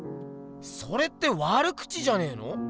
それって悪口じゃねえの？